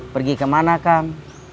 pergi kemana kang